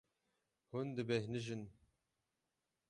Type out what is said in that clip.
Hûn dibêhnijin.